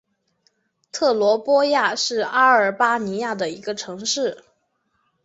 特罗波亚是阿尔巴尼亚的一个城市。